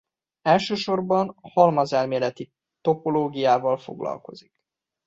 Elsősorban halmazelméleti topológiával foglalkozik.